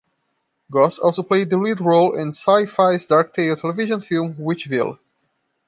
Goss also played the lead role in Syfy's dark tale television film "Witchville".